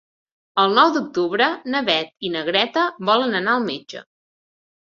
El nou d'octubre na Beth i na Greta volen anar al metge.